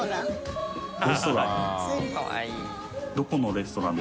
レストラン？